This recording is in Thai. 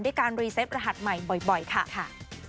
การรีเซฟรหัสใหม่บ่อยค่ะ